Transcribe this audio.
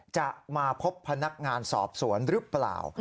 จะมาพบพนักงานสอบสวนหรือเปล่า